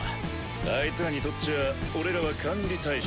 あいつらにとっちゃ俺らは管理対象。